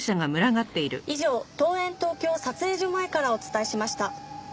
以上東演東京撮影所前からお伝えしました。